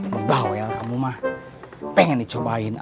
ngebahwel kamu mah pengen dicobain